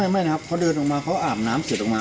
ไม่นะครับเขาเดินออกมาเขาอาบน้ำเสร็จออกมา